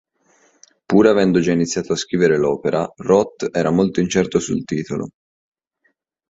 Pur avendo già iniziato a scrivere l'opera, Roth era molto incerto sul titolo.